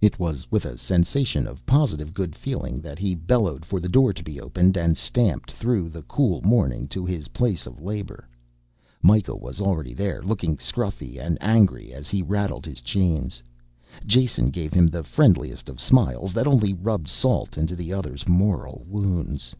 It was with a sensation of positive good feeling that he bellowed for the door to be opened and stamped through the cool morning to his place of labor. Mikah was already there, looking scruffy and angry as he rattled his chains; Jason gave him the friendliest of smiles that only rubbed salt into the other's moral wounds.